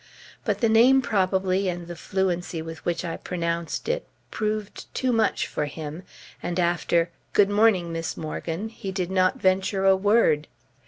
But the name probably, and the fluency with which I pronounced it, proved too much for him, and after "Good morning, Miss Morgan," he did not venture a word.